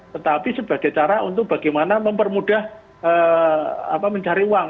tetapi sebagai cara untuk bagaimana mempermudah mencari uang